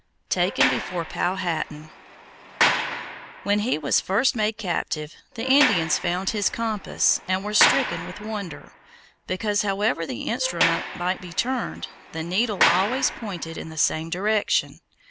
TAKEN BEFORE POWHATAN When he was first made captive, the Indians found his compass, and were stricken with wonder, because, however the instrument might be turned, the needle always pointed in the same direction.